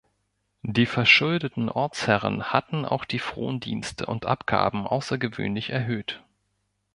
Die verschuldeten Ortsherren hatten auch die Frondienste und Abgaben außergewöhnlich erhöht.